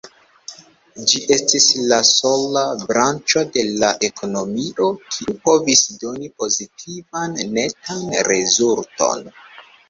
Ĝi estis la sola branĉo de la ekonomio, kiu povis doni pozitivan netan rezulton.